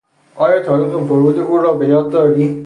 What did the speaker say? آیا تاریخ ورود او را به یاد داری؟